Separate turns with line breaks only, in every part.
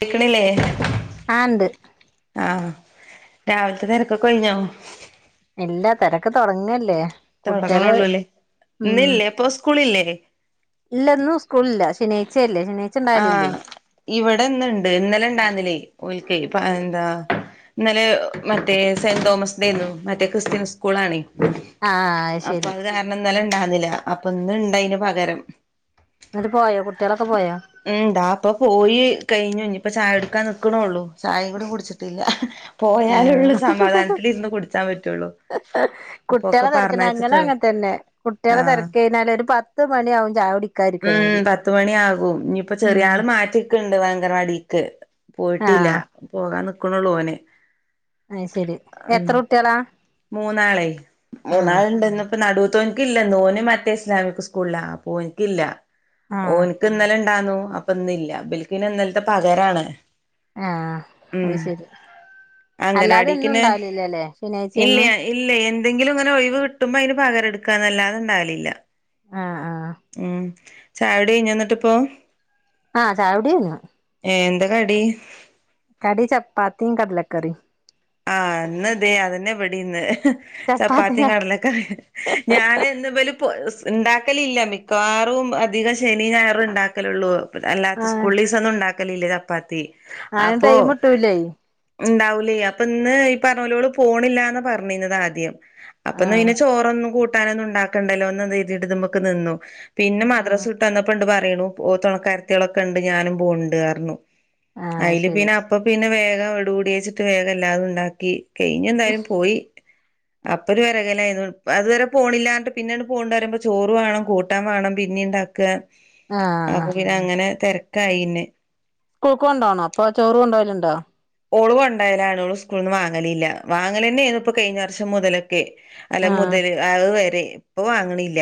കേക്കണില്ലേ
ആ ഉണ്ട്
ആഹ രാവിലത്തെ തിരക്കൊക്ക ഒഴിഞ്ഞോ
ഇല്ല തിരക്ക് തുടങ്ങല്ലേ കുട്ടികള്
തൊടങ്ങ്ണൊള്ളൂല്ലേ? ഇന്നില്ലേ ഇപ്പൊ സ്കൂളില്ലേ?
ഇല്ല ഇന്നു സ്കൂൾല്ല ശനിയഴ്ചയല്ലേ ശനി
ആഹ് ഇവിടെ ഇന്ന് ഇണ്ട്. ഇന്നലെ ഇണ്ടായിന്നില്ലേ ഓൽക്ക് പ എന്താ ഇന്നലെ മറ്റേ സെന്റ് തോമസ് ഡേര്ന്നു. മറ്റേ ക്രിസ്ത്യൻ സ്കൂളാണേ.
ആ
അപ്പ
ശരി
അത് കാരണം ഇന്നലെ ഇണ്ടാന്നില്ല. അപ്പ ഇന്ന് ഇണ്ട് അയിന് പകരം.
ഇങ്ങട്ട് പോയോ കുട്ടിളൊക്കെ പോയാ?
മ് താ ഇപ്പ പോയി കഴിഞ്ഞ ഇഞ്ഞ് ഇപ്പ ചായ കുടിക്കാൻ നിക്ക്‌ണൊള്ളൂ. ചായേം കൂടി കുടിച്ചിട്ടില്ല.
ആ
പോയാലൊള്ള് സമാധാനത്തില് ഇര്ന്ന് കുടിച്ചാൻ പറ്റുള്ളൂ.
ഇഹ് ഇഹ്
അപ്പൊക്കെ
കുട്ടിളെ തെരക്ക്‌ല് ഞങ്ങളു
പറഞ്ഞയച്ചിട്ടുള്ളൂ
അങ്ങൻ തന്നെ കുട്ടിളെ
ആഹ്
തെരക്കെഴിഞ്ഞാൽ ഒരു പ ത്ത് മണിയാവും ചായ കുടിക്കാൻ ഇരിക്കണങ്കിൽ
ഇഞ്ഞ് ഇപ്പ ചെറിയ ആൾ മാറ്റിക്ക്‌ണ്ട് അങ്കണവാടിക്ക്
ആ
പോയിട്ടില്ല. പോകാൻ നിക്ക്‌ണൊള്ളൂ ഓന്.
അഹ് ശെരി എത്ര കുട്ടിളാ?
മൂന്നാള് മൂന്നാൾ ഇണ്ട് ഇന്ന് ഇപ്പ നടൂത്തോൻക്ക് ഇല്ല. ഇന്ന് ഓന് മറ്റേ ഇസ്ലാമിക്‌ സ്കൂൾല ഓൻക്കില്ല.
ആ
ഓന് ക്ക് ഇന്നലെ ഇണ്ടാന്നു അപ്പ ഇന്ന് ഇല്ല. ഇബൽക്കിനെ ഇന്നൽത്തെ പകരാണ്.
ഏഹ്,
ഉം
അഹ് ശെരി അല്ലാതെ എന്നുംഇ
അംഗനവാടിക്കിന്നെ
ണ്ടാവല് ഇല്ലലേ.
ഇല്ല, ഇല്ല എന്തെങ്കിലും ഇങ്ങനെ ഒഴിവ് കിട്ടുമ്പോ അയിന് പകര ഇട്ക്കാന്നല്ലാതെ ഇണ്ടാലില്ല.
ആ ആ
ആഹ് ചായകുടി കഴിഞ്ഞ ഇന്നിട്ട് ഇപ്പം?
ആഹ് ചായ കുടി കഴിഞ്ഞു.
ഏഹ് എന്താ കടി?
കടി ചപ്പാത്തിം കടലക്കറി.
ആഹ് ഇന്ന്തെ അതന്നെ ഇവിടിന്ന്. ഇഹ് ഇഹ്
ചപ്പാത്തി
ചപ്പാത്തിം കടലക്കറിം ഇഹ് ഞാന് ഇന്ന് ഇബല് [unintelligible] ഇണ്ടാക്കലില്ല മിക്കവാറും അധികം ശനി ഞായറും ഇണ്ടാക്കലൊള്ളൂ. അല്ലാത്ത
ആ
സ്കൂൾലീസഒന്നും ഇണ്ടാക്കലില്ല ചപ്പാത്തി.
അയിന്
അപ്പൊ
ടൈം കിട്ടൂലേ
ഇണ്ടാവുലെ അപ്പ ഇന്ന് ഈ പറഞ്ഞൂലോള് പോണില്ലാന്ന് പർഞ്ഞീ ന്നത് ആദ്യം. അപ്പ ഇന്ന്
ആഹ്
അയിന് ചോറൊന്നും കൂട്ടാന് ഒന്നും ഇണ്ടാക്കണ്ടല്ലോ ഇന്നയ്തീട്ട് ഇതിമക്ക് നിന്നു. പിന്നെ
ആഹ്
മദ്രസ് വിട്ടന്നപ്പോ ഇണ്ട് പറയ്ണു ഓഹ് തൊണക്കാര് ത്തിളൊക്കെ ഇണ്ട് ഞാനും പോവ്ണ്ട്ർണു.
ആഹ്
അയില്
ശരി
പിന്നെ അപ്പ പിന്നെ വേഗം എട് പുടിയേച്ചിട്ട് വേഗം എല്ലാത് ഉണ്ടാക്കി. കെഴിഞ്ഞ എന്തായാലും പോയി. അപ്പ ഒര് വെരകലായിരുന്നു. അത് വരെ പോണില്ലാർഞ്ഞിട്ട് പിന്നണ് പോവ്ണ്ടറിമ്പ ചോറ് വേണം കൂട്ടാൻ വേണം പിന്നീം ഇണ്ടാക്ക്‌. അപ്പ
ആഹ്
പിന്നെ അങ്ങനെ തെരക്കായിന്നെ.
കൂക്ക് കൊണ്ടോണോ അപ്പൊ ചോറ് കൊണ്ടോലുണ്ടോ?
ഓള് കൊണ്ടയലാണ്. ഓള് സ്കൂൾന്ന് വാങ്ങലില്ല. വാങ്ങലെന്നെ ആണ് ഇപ്പ കഴിഞ്ഞ വർഷം മുതലൊക്കെ അല്ല
ആഹ്
മുതല് അഹ് വരെ ഇപ്പൊ വാങ്ങ് ണില്ല.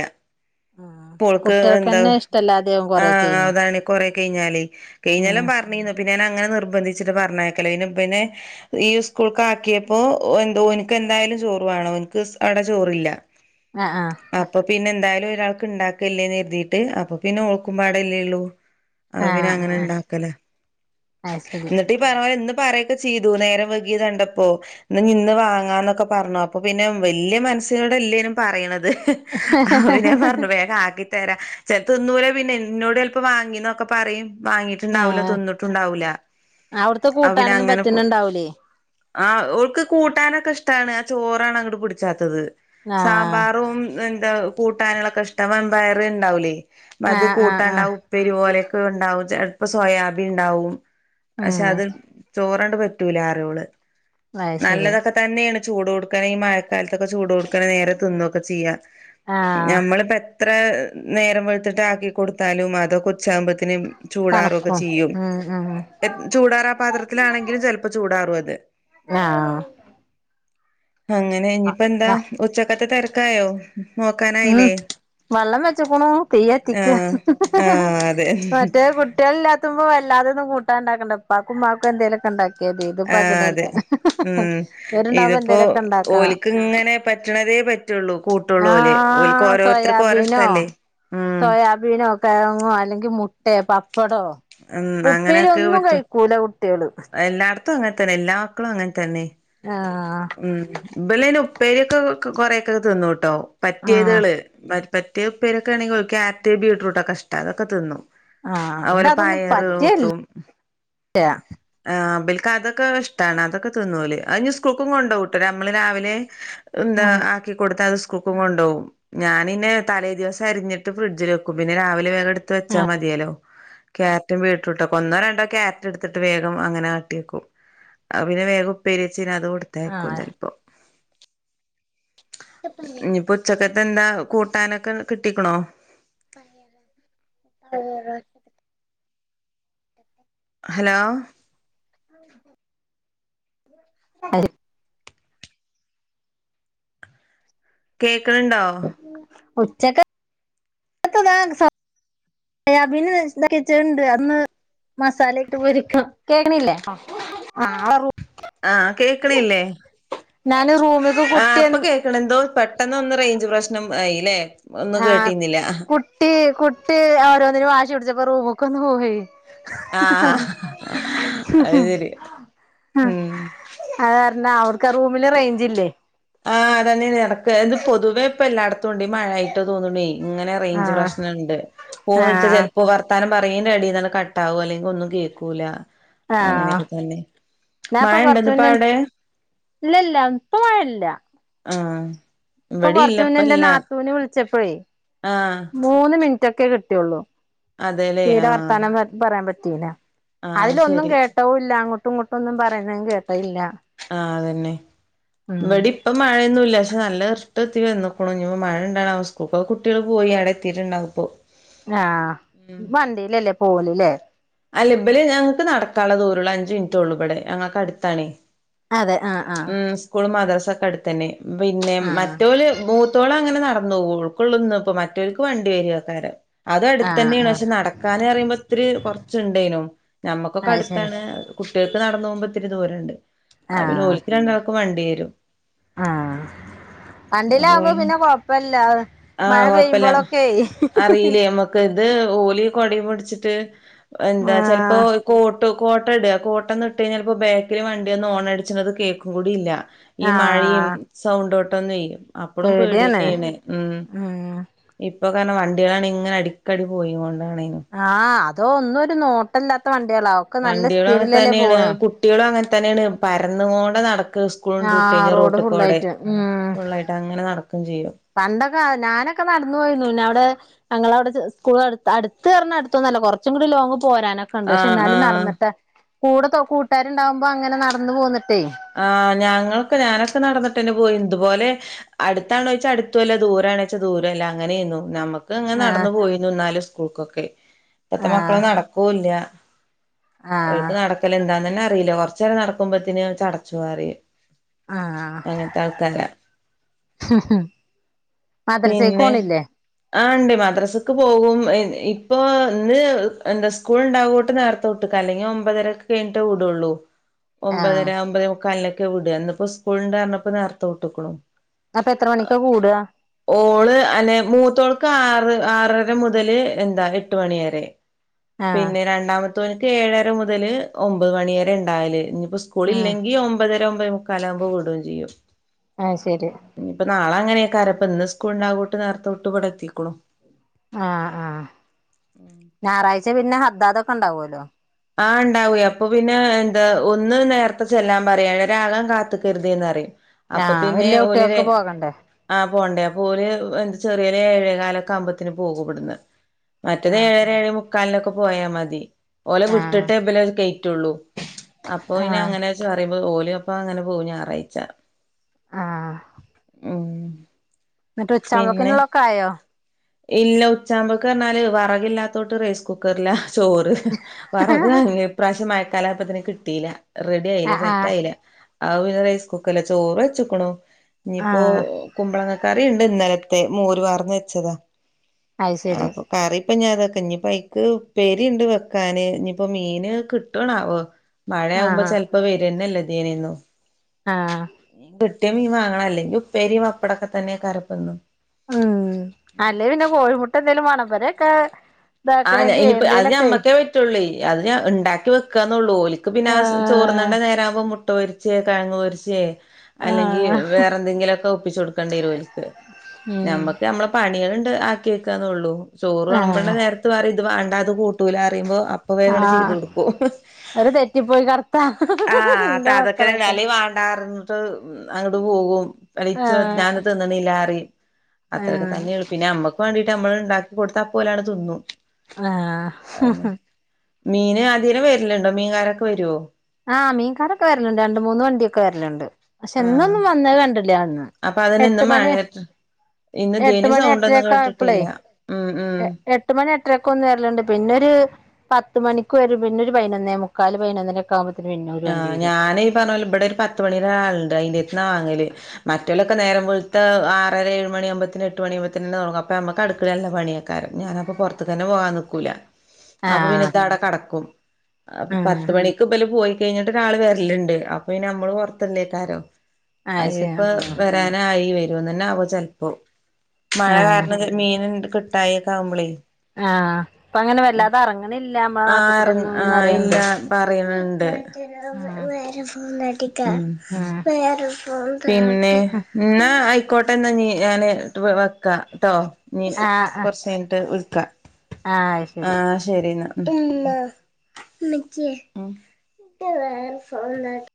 ആഹ്
ഇപ്പ ഓൾക്ക് എന്താ
കുട്ടികൾക്കന്നെ ഇഷ്ടല്ലാതെയാവും
ആഹ്
കൊറേക്കെയ്ന്
അതാണ് കൊറേ കെഴിഞ്ഞാല്
ഉം
കെഴിഞ്ഞാലും പറ ണീനു. പിന്നെ, ഞാൻ അങ്ങന നിർബന്ധിച്ചിട്ട് പർഞ്ഞേക്കലേനു ഇബന് ഈ സ്കൂൾക്ക് ആക്കിയപ്പോ എന്തോ ഓൻക്ക് എന്തായാലും ചോറ് വാണം. ഓൻക്ക് സ് അവിടെ ചോറില്ല. അ
ആഹ് ആഹ്
അപ്പൊ പിന്നെ എന്തായാലും ഒരാൾക്ക് ഇണ്ടാക്ക്‌ല്ലേന്ന് കെര്തിട്ട് അപ്പൊ പിന്നെ ഓൾക്കുംപാടല്ലേ എള്ളൂ. അപ്പ പിന്നെ
ആഹ്
അങ്ങനെ
ആഹ്
ഇണ്ടാക്ക്‌ല്ലേ
അത് ശരി
ഇന്നിട്ട് ഈ പർഞ്ഞോലെ ഇന്ന് പറയൊക്കെ ചെയ്തു നേരം വെയ്കി കണ്ടപ്പോ ഇഞ്ഞ് ഇന്ന് വാങ്ങാന്നൊക്കെ പർഞ്ഞു. അപ്പൊ പിന്നെ വെല്ല്യ മൻ സ്സിനോട്ല്ലേനും പറയ്ണത് ഇഹ് അവനെ പറഞ്ഞ് വേഗ ആട്ടി. തെരാ ചെ തിന്നൂല പിന്നെ എന്നോടെൽപ്പ വാങ്ങിന്നൊക്കെ പറയും. വാങ്ങീട്ട്ണ്ടാവുല
ആഹ്
തിന്ന്ട്ടുണ്ടാവുല.
[unintelligible]
അവന അങ്ങനെ പോ
പറ്റുന്നുണ്ടാവൂലേ
ആഹ് ഒൾക്ക് കൂട്ടാനൊക്കെ ഇഷ്ടണ് ആ ചോറാണ് അങ്ങോട്ട് പിടിച്ചാത്തത്
ആഹ്
സാമ്പാറും എന്താ കൂട്ടാനുള്ളക്കെ ഇഷ്ടം വൻപയറു ഇണ്ടാവൂലേ അത്
ആഹ്
കൂട്ട
ആഹ് ആഹ്
ഉണ്ടാവും ഉപ്പേരി പോലെയൊക്കെ ഉണ്ടാവും ചെലപ്പോ സോയാബി ഉണ്ടാവും പക്ഷെ
ഉം
അത് ചോറണ്ട് പറ്റൂല കറിയോള്
അത് ശരി
നല്ലതൊക്കെ തന്നെയാണ് ചൂടൊടുക്കനെ ഈ മഴക്കാലത്തൊക്കെ ചൂട് ക്കനെ നേര തിന്നൊക്കെ ചെയ്യാ
ആഹ്
നമ്മള് പ്പ എത്ര എത്ര നേരം വെളുത്തിട്ട ആക്കി കൊടുത്താലും അതൊക്കെ ഉച്ചാകുമ്പോഴത്തിൻ ചൂടാറുക്കെ
തണുക്കും
ചെയ്യും.
ഉം ഉം
ചൂടാറാ പാത്രത്തിലാണെങ്കിൽ ചെൽപ്പ ചൂടാറു അത്.
ആഹ്
അങ്ങനെ ഇനിയിപ്പോ എന്താ
ആഹ്
ഉച്ചക്കത്തെ തെരക്കായോ
ഉം
നോക്കാനായില്ലേ
വെള്ളം വെച്ചക്ക്ണു തിയ്യത്തിക്ക
ആഹ് ആഹ് അതെ
മറ്റേ കു കുട്ടികളല്ലാത്തുമ്പോ വല്ലാതൊന്നും കൂട്ടാൻ ഇണ്ടക്കണ്ട ഇപ്പാക്കും ഉമ്മക്കും എന്തേലൊക്കെ ഉണ്ടാക്കി അത
ആഹ്
ഇതിപ്പകനല്ല
അതെ ഉം
വരുണ്ടാവുമ്പോ എന്തേലും ഒക്കെ ഇണ്ടാക്കണം
ഇത് ഇങ്ങനെ പറ്റ്ണതേ പറ്റൊള്ളൂ കൂട്ടുള്ളൂലേ ഒർക്ക്
ആഹ്
ഓരോരുത്തർക്കും ഓരേ ഇഷ്ടല്ലേ ഉം
മീനോ കിയങ്ങൊ അല്ലെങ്കിൽ മുട്ടേ പപ്പടോ
ഉം
ഉപ്പേരി
അങ്ങനെയൊക്കെ
ഒന്നും
പറ്റും
കഴിക്കൂല കുട്വൾ
എല്ലായിടത്തും അങ്ങനെ തന്നെ എല്ലാ മക്കളും അങ്ങനെ തന്നെ
ആഹ്
ഉം ഇബലയ്ൻ ഉപ്പേരിയൊക്കെ കൊറെയൊ ക്കെ തിന്നുട്ടോ
ആഹ്
പറ്റിയതുകള് പറ്റിയെ ഉപ്പേരി ഒക്ക ആണെങ്കിൽ ക്യാരറ്റ് ബീടൂറൂട്ടൊക്കെഷ്ടം അതൊക്കെ തിന്നും
ആഹ്
അത്പൊലെ
ഇതതൊന്നും
പയറ്
പറ്റേല്ല
കൂട്ടും ആഹ് ഇബലക്ക് അതൊക്കെ ഇഷ്ടാണ് അതൊക്കെ തിന്നോല് അത് ഇഞ്ഞ് സ്കൂൾക്കും കൊണ്ടൊവൂട്ടൊ നമ്മള് രാവിലെ എന്ത
ആഹ്
ആക്കികൊടുത്ത അത് സ്കൂൾക്കും കൊണ്ട് പോവും ഞാനിന്ന തലേ ദിവസം അരിഞ്ഞിട്ട് ഫ്രിഡ്ജിൽ വെക്കും പിന്നെ രാവിലെ വേഗം ഇട് ത്ത് വെച്ചാൽ
ആഹ്
മതിയല്ലോ ക്യാരറ്റും ബീട്ടുറൂട്ടൊക്ക ഒന്നോ രണ്ടോ ക്യാരറ്റ് ഇടുത്തിട്ട് വേഗം അങ്ങനെ ആക്കിയേക്കും അത് പിന്നെ വേഗം ഉപ്പരി വെച്ച് അത് കൊടുത്തേക്കും
ആഹ്
ചെലപ്പോ ഇഞിപ്പോ ഉച്ചക്കത്തെ എന്താ കൂട്ടാനൊക്കെ കിട്ടിക്കണോ
പ
ഹലോ
[unintelligible]
കേക്ക്ണ്ണ്ണ്ടൊ
ഉച്ചക്കത്തതാ ഏഹ് അബിന് തയ്ച്ചതുണ്ട് അന്ന് മസാല ഇട്ട് പൊരിക്കും കേക്കണില്ലേ ആഹ്
ആഹ് കേൾക്ക്ണ്ല്ലേ
ഞാന് റൂമിക്ക് കുട്ടി
എന്തോ പെട്ടെന്ന് ഒന്ന് റേഞ്ച് പ്രശ്നം ആയില്ലേ ഒന്നും
ആഹ്
കേട്ടിന്നില്ല
കുട്ടി കുട്ടി ഓരോന്നിനു വാശി പിടിച്ചപ്പോ റൂമൊക്കൊന്ന് പോയി
ആഹ് അത് ശരി ഉം
അത് കാരണം അവർക്ക് റൂമില് റേഞ്ച് ഇല്ലേ
ആഹ്തന്നെയാൻ എടക്ക് ഇത് പൊതുവേ ഇപ്പ എല്ലായിടത്തും ഉണ്ട് മഴായി ട്ട് തോന്ന്ണു ഇങ്ങനെ റേഞ്ച്
ആഹ്
പ്രശ്നണ്ട് ഫോൺ വിളിച്ചാൽ
ആഹ്
ചെലപ്പോ വർത്താനം പറയുന്നെൻ്റെ ഇടയിൽ കട്ടാവും അല്ലെങ്കിൽ ഒന്നും കേക്കൂല്ല
ആഹ്
അങ്ങനെയൊക്കെ തന്നെ മഴ ഉണ്ടോ ഇന്നിപ്പോ അവിടെ
ഇല്ല ല്ല ഇപ്പോ മഴയില്ല
ആഹ്
ഇപ്പൊ
ഇവിടെ ഇല്ല
കൊറച്ച്
ഇപ്പ
മുന്നെ ഇന്റെ
ഇല്ല
നാത്തൂന് വിളിച്ചപ്പോഴെ
ആഹ്
മൂന്ന് മിൻറ്റൊക്കെ കിട്ടിയുള്ളൂ
അതെല്ലേ
തീരെ
ആഹ്
വർത്താനം പറയാൻ പറ്റീല.
ആഹ്
അതിലൊന്നും
ശരി
കേട്ടോ ഇല്ല അങ്ങോട്ടും ഇങ്ങോട്ടും ഒന്നും പറയുന്നതും കേട്ടോ ഇല്ല.
ആഹ് അതന്നെ ഇവടിം ഇപ്പൊ മഴയൊന്നും ഇല്ല പക്ഷെ നല്ല ഇർട്ടുത്തിവന്ന്ക്കുണ് ഇഞ്ഞ് മഴ ഇണ്ടാ സ്കൂള്ക്ക് കുട്ടികൾ പോയി അവിടെ എത്തിയിട്ടുണ്ടാവുപ്പോ
ആഹ് വണ്ടില്ലല്ലേ പോല് ല്ലേ
അല്ല ഇബല് ഞങ്ങക്ക് നടക്കാള്ള ദൂരെള്ളു അഞ്ച് മിനിറ്റേള്ളൂ ഇവിടെ ഞങ്ങൾക്ക് അട്ത്താണേ
അതെ ആഹ് ആഹ്
ഉംസ്കൂൾ മദ്രസ ഒക്കെ അടുത്ത് തന്നെ പിന്നെ
ആഹ്
മറ്റോല് മൂത്ത മുത്തോള് അങ്ങനെ നടന്നു പോ കൊള്ളു ഓൾക്ക [unintelligible] ഇപ്പ മറ്റോൽക്ക് വണ്ടി വെരുആക്കാരം അന്നേരം അതും അടുത്ത്
ആഹ്
തന്നെയാണ്
ആഹ്
പക്ഷെ നടക്കാൻ പറിയുമ്പോ ഒത്തിരി കൊറച്ചുണ്ടേനും ഞമ്മക്കൊക്കെ
അത് ശരി
അടുത്താണ് കുട്വൾക്ക് നടന്ന് പോകുമ്പോ ഇത്തിരി ദൂരണ്ട് അത് പിന്നെ
ആഹ്
ഓല്ക്ക് രണ്ടാൾക്കും വണ്ടി വരും
ആഹ് വണ്ടിലാകുമ്പോ പിന്നെ കൊഴപ്പല്ല മഴ പെയ്യുമ്പോഴൊക്കെ
അറില്ലേ നമ്മക്ക് ഇത് ഓല് കൊടേം പുട്ച്ച്ട്ട് എന്താ ചെൽപ്പോ
ആഹ്
കോട്ടും കോട്ട ഇട കോട്ടന്ന് ഇട്ട് കഴിഞ്ഞാൽപ്പോ ബേക്കില് വണ്ടി വന്ന് ഓണട്ച്ണത് കേക്കും കൂടി ഇല്ല. ഈ മഴയും
ആഹ്
സൗണ്ടോട്ടൊന്നെ അപ്പഴും പേടി
പേടിയാണ്
തന്നെയാണ് ഉം
ഉം
ഇപ്പൊ കാരണം വണ്ടികളാണ് ഇങ്ങനെ അടിക്കടി പോയികൊണ്ടാണെന്നും
ആഹ് അതോ ഒന്നും ഒരു നോട്ടല്ലാത്ത വണ്ടിയാളാകും
വണ്ടിയാളും അങ്ങനെ തന്നെയാണ് കുട്ടിയാളും അങ്ങനെ തന്നെയാണ് പരന്നു കൊണ്ടാനടക്ക സ് സ്കൂൾണ്ട് വിട്ട്
ആഹ്
കഴിഞ്ഞാൽ
റോഡ്
റോട്ട് കൂടെ
ഫുള്ളായിട്ട് ഉം
ഫുള്ളായിട്ട് അങ്ങനെ നടക്കുകയും ചെയ്യും
പണ്ടൊക്കെ ഞാനൊക്കെ നട്ന്നു പോയിന്നു അവ്ടെ ഞങ്ങളവ്ടെ ജ് സ്കൂൾ അട്ത്ത് അടുത്തർഞ്ഞ അടുത്തൊന്നല്ല കൊർച്ചും കൂടി ലോങ് പോരാനാ [unintelligible]
ആഹ്
ന്നാലും
ആഹ്
നടന്നിട്ടാ കൂടെ കൂട്ടാരുണ്ടാകുമ്പോ അങ്ങനെ നടന്നു പോന്നിട്ടേ
ആഹ് ഞങ്ങൾക്കെ ഞാനൊക്കെ നടന്നിട്ട് തന്നെ പോയീനിയേ ഇതുപോലെ അട്ത്താണോയ്ച്ചാൽ അടുത്തുംല്ല ദൂരെ ആണോച്ചാ ദൂരുംല്ല അങ്ങനേയ്ന്നു നമ ക്കെ ഇങ്ങനെ
ആഹ്
നട്ന്നു പോയനു ഇന്നാലും സ്കൂൾക്കൊക്കെ ഇപ്പത്തെ മക്കള്
ആഹ്
നടക്കൂല്ല
ആഹ്
ഓൽക്ക് നടക്കല് എന്താന്നന്നെ അറിയില്ല കൊറച്ച് നേരം നടക്കുമ്പത്തിന് ചടച്ചു പറിയും
ആഹ്
അങ്ങൻത്തെ ആൾക്കാരാ
മദ്രസയ്ക്ക്
പിന്നെ
പോണില്ലേ
ആഹ് ഇണ്ട് മദ്രാസ്ക്ക് പോകും ഇ ഇപ്പൊ ഇന്ന് എന്താ സ്കൂൾ ഇണ്ടാവോട്ട് നേർ നേരത്തെ വിട്ടുക്കാ അല്ലെങ്കിൽ ഒമ്പതരൊക്കെ കഴിഞ്ഞിട്ട് വുടുയൊള്ളൂ
ആഹ്
ഒമ്പതര ഒമ്പത് മുക്കാലിനൊക്കെ വുട ഇന്നിപ്പോ സ്കൂള് ഇണ്ടപർഞ്ഞപ്പോ നേർത്തെ വുട്ടുക്ക്ണു
അപ്പൊ എത്ര മണിക്ക കൂട
ഓള് അന്നെ മൂത്തോൾക്ക് ആറ് ആറര മുതല് എന്താ എട്ട് മണിയരെ
ആഹ്
പിന്നെ രണ്ടാമത്തോൻക്ക് ഏഴര മുതല് ഒമ്പത് മണിയരെ ഇണ്ടായല് ഇനിപ്പോ സ്കൂ കൂള്
ഉം
ഇല്ലെങ്കി ഒമ്പതര ഒമ്പതേ മുക്കാല് ആകുമ്പോ വുടോം ചെയ്യും
അത് ശരി
ഇനിയിപ്പ നാളെങ്ങനൊക്കാര ഇപ്പ ഇന്ന് സ്കൂള് ഉണ്ട് നേർത്തെ വുട്ട് ഇവിടെത്തിക്ക്ണു
ആഹ് ആഹ് ഞായറാഴ്ച പിന്നെ ഹദ്ദാദൊക്കെ ഇണ്ടാവൊല്ലോ.
ആഹ് ഇണ്ടാവേ അപ്പൊ പിന്നെ എന്താ ഒന്ന് നേർത്തെ ചെല്ലാൻ പറിയേ ഏഴര ആകാൻ കാത്ത് നിക്കർതെ പറിം അപ്പൊ
ആഹ്
പിന്നെ
വല്യ
ഓല് വേ
കുട്ടികൾക്ക് പോകണ്ടേ
ആഹ് പോണ്ടേ അപ്പോ ഓല് എന്ത് ചെറിയ ഒരു ഏഴേ കാലൊക്കെ ആകുമ്പോത്തിന് പോകും ഇവട്ന്ന് മറ്റത്
ആഹ്
ഏഴര ഏഴേ മുക്കാലിനൊക്കെ പോയാൽ മതി ഓലെ
ആഹ് ആഹ്
വിട്ടിട്ടേ ഇബലെ അയ്ല് കൈയ്റ്റുള്ളൂ അപ്പൊ അയ്ൻ
ആഹ്
അങ്ങനെ [unintelligible] ഓല് അപ്പോ അങ്ങനെ പോവും ഞാറയ്ച്ച
ആഹ്
ഉം
എന്നിട്ട്
പിന്നെ
ഉച്ചാവുമ്പക്ക്ന്നുള്ളക്കെ ആയോ
ഇല്ല ഉച്ചാമ്പോക്ക്‌ പർഞ്ഞാല് വിറകില്ലാത്തോട്ട് റൈസ് കുക്കർല ചോറ് വെറക്
ആഹ്
വാങ്ങി ഇപ്രാവശ്യം മഴക്കാലായപ്പത്തിന് കിട്ടീല റെഡി ആയില്ല സെറ്റ്
ആഹ്
ആയില്ല അപ്പ പിന്നെ റൈസ് കുക്കർല് ചോറ് വെച്ച്ക്ക്ണു. ഇനിയിപ്പോ
ആഹ്
കുമ്പളങ്ങക്കറിയുണ്ട് ഇന്നലത്തെ മോര് പാർന്ന് വെച്ചതാ
അയ്ശരി
അപ്പൊ കറി ഇപ്പ ഞാൻ തൊക്കെ ഇനിയിപ്പോ ഇക്ക് ഉപ്പേരിയുണ്ട് വെക്കാന് ഇനിപ്പോ മീന് കിട്ടോനാവോ മഴയാകുമ്പോ
ആഹ്
ചിലപ്പോ വരന്നല്ല ദിനെന്നു
ആ
കിട്ടിയ മീൻ വാങ്ങണല്ലേ ഉപ്പേരിയും പപ്പടൊക്കെ തന്നെയ കരപ്പെന്നും
ഉം അല്ലേ പിന്നെ കോഴിമുട്ട എന്തേലും വേണംഇബറോക്കേ
ആഹ് ഞാൻ ഇനിപ്പ അത് ഞമ്മക്കേ പറ്റുള്ളോയ് അത് ഞാ ഉണ്ടാക്കി വെക്കാന്നുള്ളൂ ഓലിക്ക് പിന്നെ ആസ്
ആഹ്
ചോർണണ്ട നേരവുമ്പോ മുട്ട പൊരിച്ച് കാങ്ങ് പൊരിച്ചേ അല്ലെങ്കിൽ
ആഹ്
വേറെ എന്തെങ്കിലൊക്കെ ഒപ്പിച്ചു കൊടുക്കേണ്ട ഓല്ക്ക്
ഉം
ഞമ്മക്ക് നമ്മള പണികളണ്ട് ആക്കി വെക്കാന്നുള്ളൂ ചോറ് വിളമ്പണ
ആഹ്
നേരത്ത്‌ പറ യും ഇത് വേണ്ട ഇത് കൂട്ടൂല പറിയുമ്പോഅപ പോയി അങ്ങട് ചെയ്ത്
ആഹ്
കൊടുക്കും
അവര് തെറ്റിപ്പോയി കടത്താ
ആഹ് അപ്പ
ഇന്റെ
അതൊക്കെ ഒരു
മക്കളൊക്കെ
[unintelligible] ട്ട് അത് പോകും [unintelligible]
ആഹ്
ഞാൻ തിന്നണില്ലാറിയും അതൊരു
ആഹ്
തന്നെ ണ് പിന്നെ നമ്മക്ക് വേണ്ടീട്ട് നമ്മള് ഉണ്ടാക്കി കൊടുത്തഅപ്പൊ ഓല് ങ്ങാൻഡ് തിന്നും
ആഹ്
മീന് അതിലെ വരുന്നുണ്ടോ മീൻകാരൊക്കെ വരോ
ആഹ് മീൻകാരൊക്കെ വരലുണ്ട് രണ്ട് മൂന്ന് വണ്ടിയൊക്കെ വരലുണ്ട് ക്ഷെ
ആഹ്
ഇന്നൊന്നും വന്നത്കണ്ടില്ലെന്ന്
അപ്പൊ അതിന് ഇന്ന്
എട്ട് മണി
മഴയായിട്ട് ഇന്ന്
എട്ട്
ഇതേന്
മണി
സൗണ്ട്
എട്ടര
ഒന്നും
ഒക്കെ
കേട്ടിട്ടില്ല
ആയപ്പളെയ്
ഉം ഉം
[unintelligible] എട്ട് മണി എട്ടരൊക്കെ ഒന്ന് വരലുണ്ട് പിന്നൊരു പത്ത് മണിക്ക് വരും പിന്നെ രു പയിനൊന്നേ മുക്കാല് പയിനൊന്നര [unintelligible]
ആഹ് ഞാനി പറഞ്ഞ പോല ഇവിടെ ഒരു പത്ത് മണിരാളുണ്ട് അയിന്റെ ര് ത്ത്‌ന്ന വാങ്ങല് മറ്റൊലൊക്കെ നേരം വെളുത്ത ആറരാ ഏഴ് മണിയുമ്പത്തിന് എട്ട് മണിയവുമ്പത്തെന്ന് തുടങ്ങും അപ്പ നമുക്ക് അടുക്കള ല് ല്ല പണിയാ ക്കാര ഞാനപ്പോ പൊറത്ത് തന്നെ പോവാൻ ൻ നിക്കൂല്ല അപ്പൊ പിന്നെ
ആഹ്
ത് അവടെ കടക്കും അപ്പ
ആഹ്
പത്തുമണിക്ക് ബല് പോയി കഴിഞ്ഞിട്ട് രാൾ വരലിണ്ട് അപ്പൊ ന്നെ നമ്മള് പോരാത്തെല്ലേയ് ക്കാരും
അത് ശരി
അയിനിപ്പോ
ആഹ്
വര ങാ നായി വരുംന്ന് തന്നെ ആവോ ചെല്പ്പ്പോ മഴ
ആഹ്
കാരണം മീൻ ഇണ്ട് കിട്ട്- ട്ടയക്കെ ആവുമ്പളെയ്
ആഹ് പ്പൊ അങ്ങനെ വല്ലാതെ ഇറങ്ങണില്ല നമ്മളെ നാട്ടുകൂടി ന്നും എന്ന് റയണണ്ട്
പറയണുണ്ട് ഉം [unintelligible]
ഉം [unintelligible]
[unintelligible] പിന്നെ എന്ന ആയി ക്കോട്ടെന്നാ നി ഞാന് വെക്കാ ട്ടോ നി
ആഹ്
കൊറച്ച് കയിഞ്ഞിട്ട് വിളിക്കാ
ആഹ് അത് ശരി
ആഹ് ശരി ന്നാ [unintelligible]